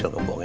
ya adul buami